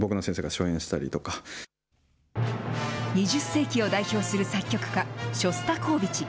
２０世紀を代表する作曲家、ショスタコーヴィチ。